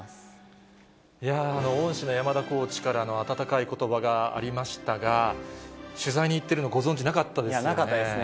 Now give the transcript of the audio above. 恩師の山田コーチからの温かいことばがありましたが、取材に行ってるのご存じなかったですよね。